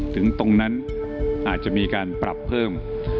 ถึงตรงนั้นอาจจะมีการปรับเพิ่ม